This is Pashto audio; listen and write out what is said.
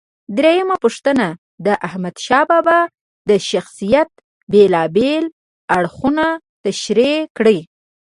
درېمه پوښتنه: د احمدشاه بابا د شخصیت بېلابېل اړخونه تشریح کړئ.